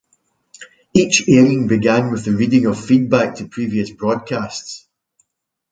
Each airing began with the reading of feedback to previous broadcasts.